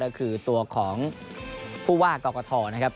ก็คือตัวของผู้ว่ากกรกฐ